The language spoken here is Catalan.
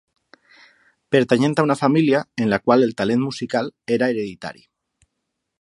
Pertanyent a una família en la qual el talent musical era hereditari.